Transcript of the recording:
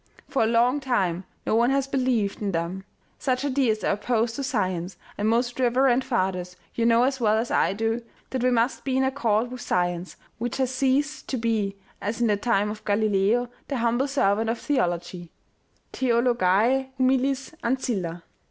For a long time no one has believed in MAYEKSTROSS. OMEGA. i 27 them. Such ideas are opposed to science, and, most rev erend fathers you know, as well as I do, that we must be in accord with science, which has ceased to be, as in the time of Galileo, the humble servant of theology : theo logiae humilis ancilla.